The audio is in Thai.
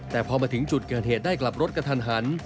แต่พอมาถึงจุดเกิดเหตุได้กลับรถกระทันหัน